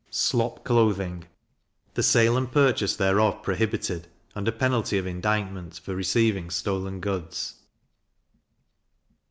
Slop Clothing the sale and purchase thereof prohibited, under penalty of indictment for receiving stolen goods.